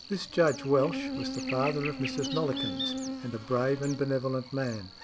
This Judge Welch was the father of Mrs. Nollekens, and a brave and benevolent man.